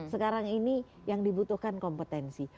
sekarang ini yang dibutuhkan kompetensi